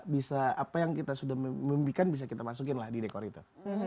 bisa apa yang kita sudah mimpikan bisa kita masukin lah di dekor itu